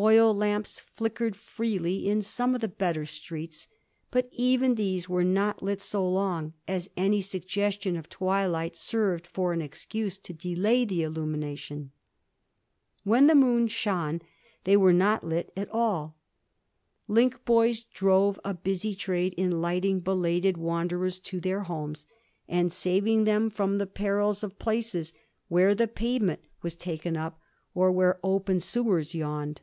Oil lamps ffickered freely in some of the better streets, but even these were not lit so long as any suggestion of twilight served for an excuse to delay the illumina tion. When the moon shone they were not lit at alL Link boys drove a busy trade in lighting belated wanderers to their homes, and saving them from the perils of places where the pavement was taken up or Digiti zed by Google 1714 THE FLEET DITCH. 95 where open sewers yawned.